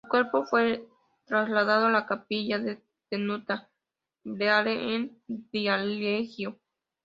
Su cuerpo fue trasladado a la Capilla de Tenuta Reale, en Viareggio.